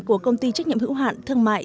của công ty trách nhiệm hữu hạn thương mại